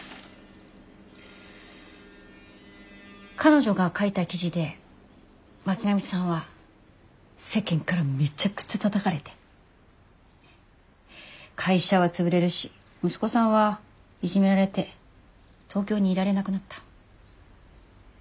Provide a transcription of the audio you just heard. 彼女が書いた記事で巻上さんは世間からめちゃくちゃたたかれて会社はつぶれるし息子さんはいじめられて東京にいられなくなった。